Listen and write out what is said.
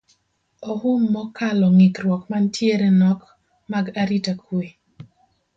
Ohum mokalo ng`ikruok mantiere nok mag arita kwe